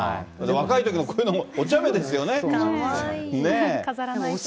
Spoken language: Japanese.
若いときのこういうの、おちゃめですよね、かわいい。